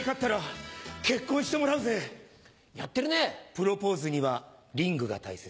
プロポーズにはリングが大切。